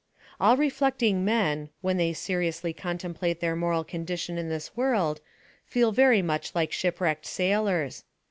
All reflecving men, when they seriously contemplate their moral condition in this world, feel very much like shipwrecked sailors.